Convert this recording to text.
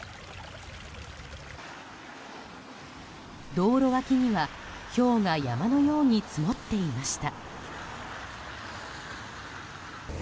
道路脇にはひょうが山のように積もっていました。